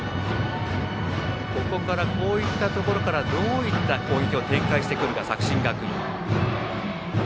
ここから、こういったところからどういった攻撃を展開してくるか作新学院。